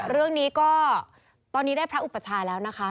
เรื่องนี้ก็ตอนนี้ได้พระอุปชาแล้วนะคะ